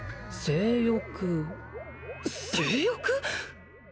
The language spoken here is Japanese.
性欲？